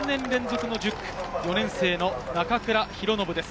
１０区は３年連続の１０区、４年生の中倉啓敦です。